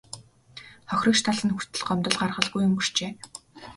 Хохирогч тал нь хүртэл гомдол гаргалгүй өнгөрчээ.